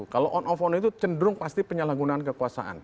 kalau on of on itu cenderung pasti penyalahgunaan kekuasaan